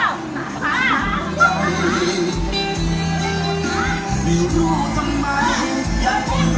เออแล้วผมวิ่งสนุนเนี่ยก่อนคุยกับกูเนี่ย